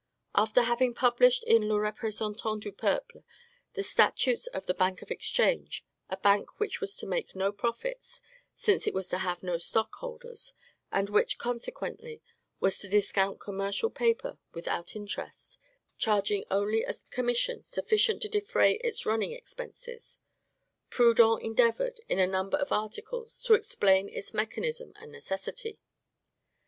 After having published in "Le Representant du Peuple," the statutes of the Bank of Exchange, a bank which was to make no profits, since it was to have no stockholders, and which, consequently, was to discount commercial paper with out interest, charging only a commission sufficient to defray its running expenses, Proudhon endeavored, in a number of articles, to explain its mechanism and necessity.